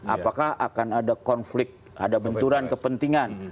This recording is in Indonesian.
apakah akan ada konflik ada benturan kepentingan